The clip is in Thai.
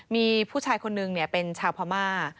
มีผู้ชายคนนึงเป็นชาวพม่า